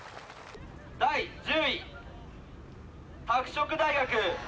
第１０位、拓殖大学。